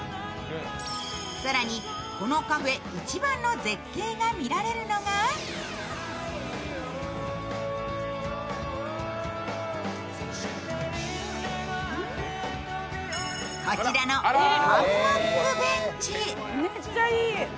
更に、このカフェ一番の絶景が見られるのがこちらのハンモックベンチ。